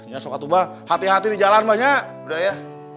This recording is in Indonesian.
ya sokatu mba hati hati di jalan mba nya udah ya